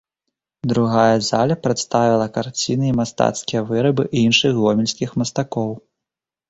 Другая зала прадставіла карціны і мастацкія вырабы іншых гомельскіх мастакоў.